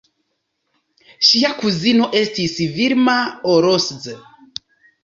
Ŝia kuzino estis Vilma Orosz.